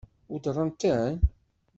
Weddṛen-ten?